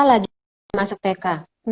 lagi masuk tk